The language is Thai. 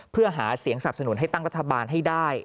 เพื่อหาเสียงสนับสนุนให้ตั้งรัฐบาลให้ได้